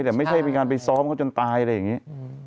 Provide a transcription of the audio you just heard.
แต่ไม่ใช่เป็นการไปซ้อมเขาจนตายอะไรอย่างนี้